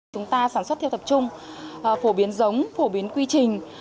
chúng ta sản xuất theo tập trung phổ biến giống phổ biến quy trình